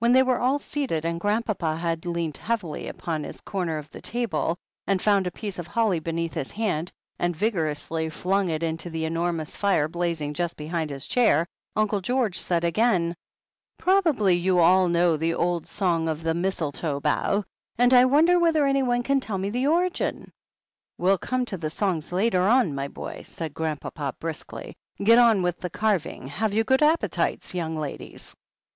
THE HEEL OF ACHILLES 195 ^Vhen they were all seated, and Grandpapa had leant heavily upon his comer of the table, and found a piece of holly beneath his hand, and vigorously flung it into the enormous fire blazing just behind his chair, Uncle George said again : "Probably you all know the old song of the 'Mistle toe Bough,' but I wonder whether anyone can tell me the origin " "We'll come to the songs later on, my boy," said Grandpapa briskly. "Get on with the carving. Have you good appetites, young ladies